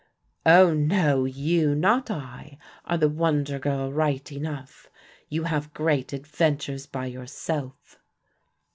"Oh, no, you, not I, are the wonder girl right enough; you have great adventures by yourself."